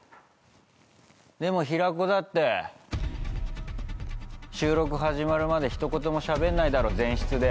でも平子だって収録始まるまで一言もしゃべんないだろ前室で。